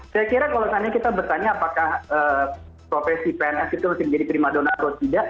saya kira kalau seandainya kita bertanya apakah profesi pns itu masih menjadi prima dona atau tidak